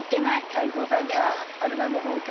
泰造さんか春菜の方か。